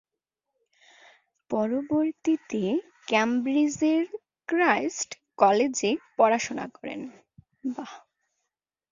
পরবর্তীতে কেমব্রিজের ক্রাইস্ট কলেজে পড়াশোনা করেন।